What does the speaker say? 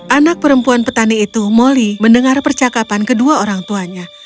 anak perempuan petani itu moli mendengar percakapan kedua orang tuanya